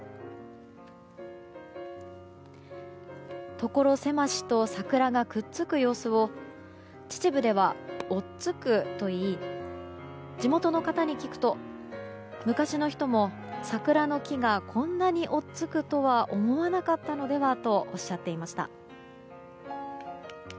ところ狭しと桜がくっつく様子を秩父では「おっつく」と言い地元の方に聞くと昔の人も、桜の木がこんなにおっつくとは思わなかったのではとおっしゃっていました。